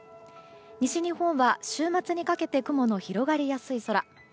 西日本は週末にかけて雲の広がりやすい空。